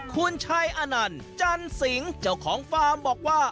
คุณชัยอนันต์จันสิงเจ้าของฟาร์มบอกว่า